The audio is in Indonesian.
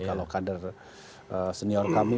kalau kader senior kami